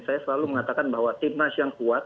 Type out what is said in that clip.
saya selalu mengatakan bahwa tim nasional kuat